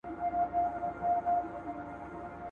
کله کله مي را وګرځي په زړه کي !.